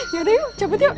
yaudah yuk cabut yuk